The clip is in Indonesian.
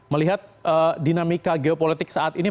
melihat dinamika geopolitik saat ini